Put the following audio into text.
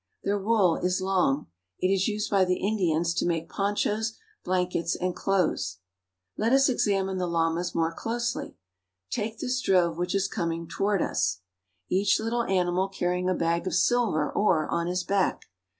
Their wool is long. It is used by the Indians to make ponchos, blankets, and clothes. Let us examine the llamas more closely. Take this drove which is coming toward us, each little animal ^6 ^ PERU. • carrying a bag of silver ore on his back.